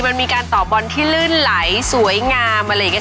มันมีการต่อบอลที่ลื่นไหลสวยงามอะไรอย่างนี้